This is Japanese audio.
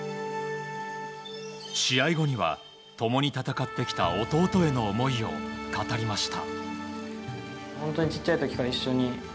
試合後には、共に戦ってきた弟への思いを語りました。